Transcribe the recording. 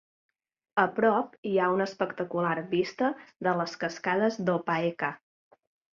A prop, hi ha una espectacular vista de les cascades d'Opaeka'a.